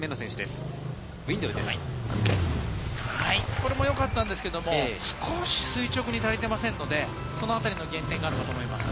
これもよかったんですけれども、少し垂直に足りてませんので、このあたりの減点があるかと思い